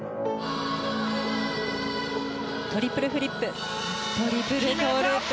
トリプルフリップトリプルトウループ。